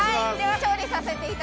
はい。